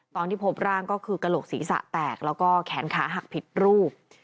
ตอนที่พบร่างก็คือกระโหลกศีรษะแตกแล้วก็แขนขาหักผิดรูป